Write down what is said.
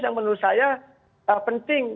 yang menurut saya penting